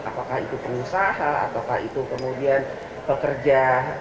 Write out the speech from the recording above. apakah itu pengusaha ataukah itu kemudian pekerja